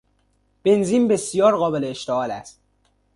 بنزین بسیار قابل اشتعال است.